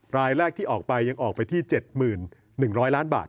รายแรกที่ออกไปยังออกไปที่๗๑๐๐ล้านบาท